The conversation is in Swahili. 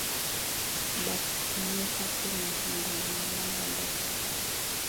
Bakutumika ku mashamba bana lomba mboka na mayi